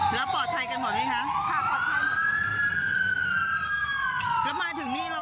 มันระเบิดพึบนึงสักพักนึงว่า